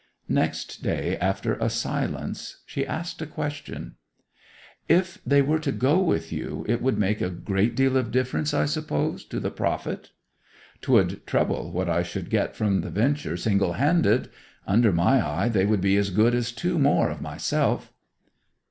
Next day, after a silence, she asked a question: 'If they were to go with you it would make a great deal of difference, I suppose, to the profit?' ''Twould treble what I should get from the venture single handed. Under my eye they would be as good as two more of myself.